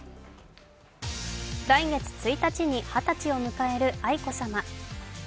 来月１日に二十歳を迎える愛子さま。